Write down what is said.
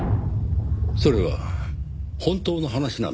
それは本当の話なんですね？